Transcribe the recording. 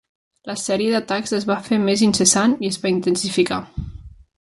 La sèrie d'atacs es va fer més incessant i es va intensificar.